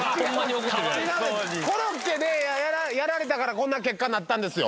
コロッケでやられたからこんな結果になったんですよ。